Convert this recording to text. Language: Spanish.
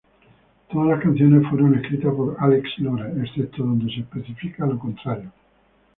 Todas las canciones fueron escritas por Álex Lora, excepto donde se especifica lo contrario.